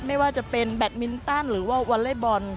ไม่ว่าจะเป็นแบตมินตันหรือว่าวอเล็ตบอล